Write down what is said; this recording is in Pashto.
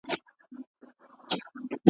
څه سړي وه څه د سپيو هم غپا سوه .